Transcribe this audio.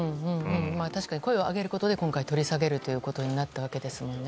確かに声を上げることで今回、取り下げることになったわけですのでね。